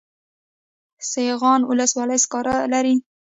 سیغان ولسوالۍ سکاره لري؟